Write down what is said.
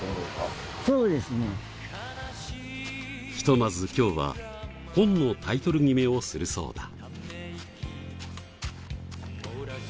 ひとまず今日は本のタイトル決めをするそうだ